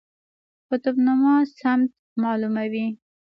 قطب نما سمت معلوموي